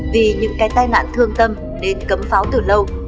vì những cái tai nạn thương tâm nên cấm pháo từ lâu